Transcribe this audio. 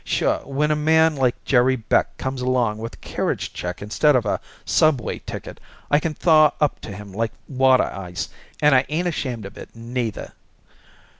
Sure, when a man like Jerry Beck comes along with a carriage check instead of a Subway ticket I can thaw up to him like a water ice, and I ain't ashamed of it, neither."